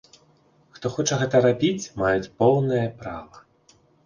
Хто хоча гэта рабіць, маюць поўнае права.